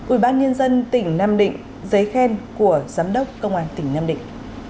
ubnd tỉnh nam định giấy khen của giám đốc công an tỉnh nam định